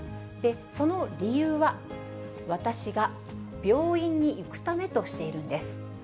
その理由は、私が病院に行くためとしているんです。